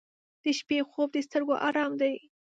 • د شپې خوب د سترګو آرام دی.